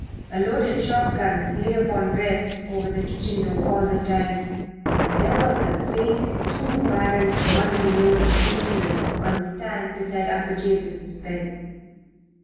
A loaded shotgun lay upon rests over the kitchen door all the time, and there was a big, two barreled, muzzle loading pistol on the stand beside Uncle Jabez's bed.